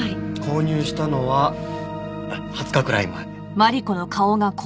購入したのは２０日くらい前。